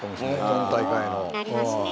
今大会の。